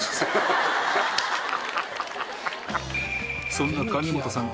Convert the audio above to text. そんな上本さん